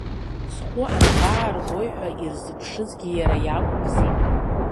Схәы анбааргои ҳәа ирзыԥшызгьы иара иакәымзи.